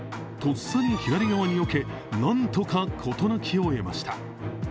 とっさに左側によけ、何とか事なきを得ました。